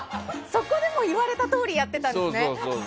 そこでも言われたとおりやってたんですね。